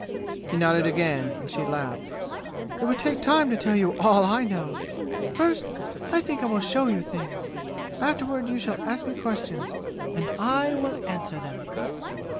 He nodded again, and she laughed. "It would take time to tell you all I know! First, I think I will show you things. Afterward you shall ask me questions, and I will answer them!"